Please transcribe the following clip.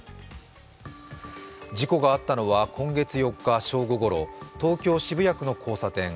事故があったのは今月４日正午ごろ、東京・渋谷区の交差点。